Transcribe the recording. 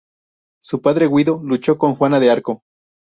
Su padre Guido luchó con Juana de Arco.